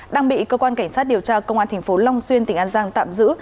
đang bị cơ quan cảnh sát điều tra công an tp long xuyên tỉnh an giang tạm giữ